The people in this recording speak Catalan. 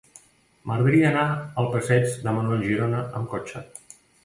M'agradaria anar al passeig de Manuel Girona amb cotxe.